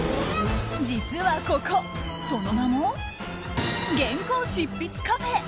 実はここその名も原稿執筆カフェ。